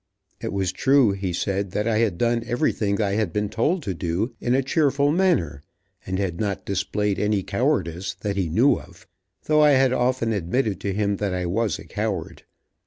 It was true, he said, that I had done everything I had been told to do, in a cheerful manner, and had not displayed any cowardice, that he knew of, though I had often admitted to him that I was a coward.